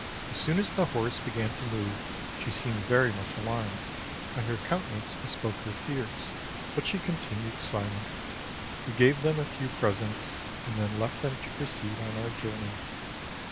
As soon as the horse began to move she seemed very much alarmed, and her countenance bespoke her fears, but she continued silent. We gave them a few presents, and then left them to proceed on our journey.